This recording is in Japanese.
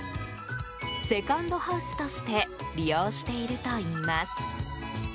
セカンドハウスとして利用しているといいます。